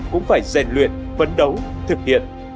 cũng phải rèn luyện phấn đấu thực hiện